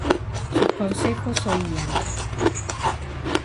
Sus consejos oían